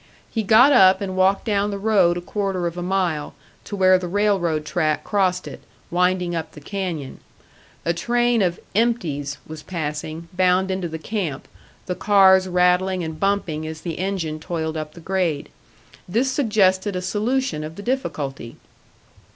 He got up and walked down the road a quarter of a mile, to where the railroad track crossed it, winding up the canyon. A train of "empties" was passing, bound into the camp, the cars rattling and bumping as the engine toiled up the grade. This suggested a solution of the difficulty.